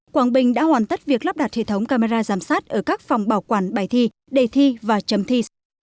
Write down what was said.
quảng bình đã hoàn tất việc lắp đặt hệ thống camera giám sát ở các phòng bảo quản bài thi đề thi và chấm thi